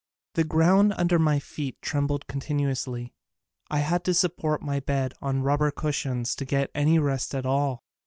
The ground under my feet trembled continuously. I had to support my bed on rubber cushions to get any rest at all.